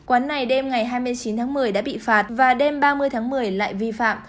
quán này đêm ngày hai mươi chín tháng một mươi đã bị phạt và đêm ba mươi tháng một mươi lại vi phạm